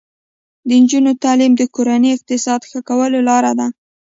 د نجونو تعلیم د کورنۍ اقتصاد ښه کولو لاره ده.